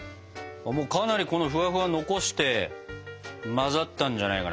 かなりこのフワフワ残して混ざったんじゃないかな？